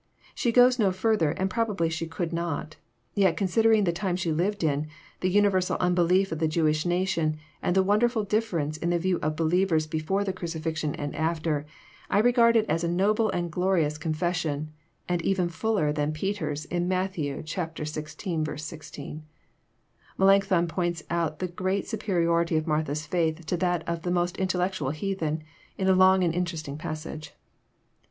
She goes no ftirther, and probably she could not. Yet considering the time she lived in, the universal unbelief of the Jewish nation, and the wonderful difference in the views of believers before the crucifixion and after, I regard it as a noble and glorious confession, and even fbller than Peter's, in Matthew zvi. 16. Melancthon points out the great superiority of Martha's faith to that of the most intellectual heathen, in a long and interesting passage.